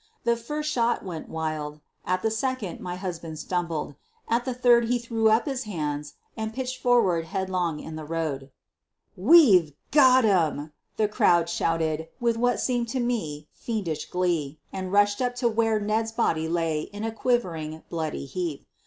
The first shot went wild. At the second my hus band stumbled. At the third he threw up his hands and pitched forward headlong in the road. "We've got him! ,, the crowd shouted with what seemed to me fiendish glee, and rushed up to where Ned's body lay in a quivering, bloody heap.